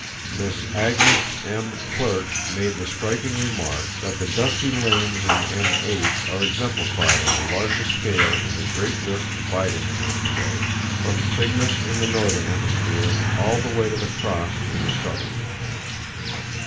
Miss Agnes M. Clerke made the striking remark that the dusky lanes in M8 are exemplified on the largest scale in the great rift dividing the Milky Way, from Cygnus in the northern hemisphere all the way to the "Cross" in the southern.